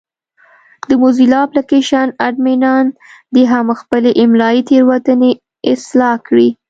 د موزیلا اپلېکشن اډمینان دې هم خپلې املایي تېروتنې اصلاح کړي.